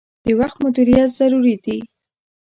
د وخت مدیریت ضروری دي.